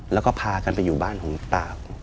แล้วก็พากันไปอยู่บ้านของตา